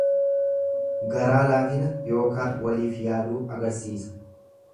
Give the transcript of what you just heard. Garaa laafina yookaan waliif yaaduu agarsiisa.